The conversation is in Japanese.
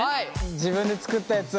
自分で作ったやつ。